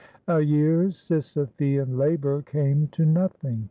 A year's "Sisyphean labor" came to nothing.